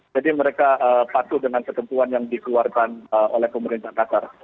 jadi mereka patuh dengan ketentuan yang dikeluarkan oleh pemerintah qatar